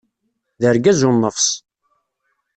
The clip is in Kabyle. D argaz u nnefṣ!